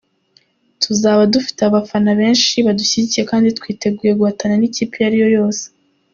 Tuzaba dufite abafana benshi badushyigikiye kandi twiteguye guhatana n’ikipe iyo ariyo yose.